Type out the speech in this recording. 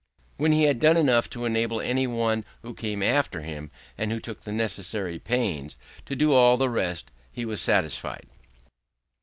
When he had done enough to enable any one who came after him, and who took the necessary pains, to do all the rest, he was satisfied.